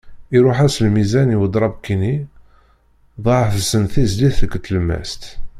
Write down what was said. Iruḥ-as lmizan i udrabki-nni, dɣa ḥebsen tizlit deg tlemmast.